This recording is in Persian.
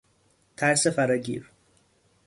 ترس فراگیر